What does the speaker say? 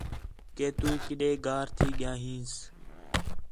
کہ تُو کݙے گار تھی ڳِیا ہینس